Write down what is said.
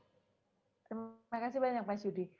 terima kasih banyak mas yudi